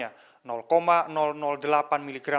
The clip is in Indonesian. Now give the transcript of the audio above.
kondisi kondisi tersebut menunjukkan